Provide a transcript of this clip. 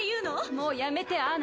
もうやめてアナ。